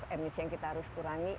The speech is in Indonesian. emisi yang kita harus kurangi